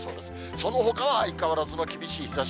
そのほかは相変わらずの厳しい日ざし。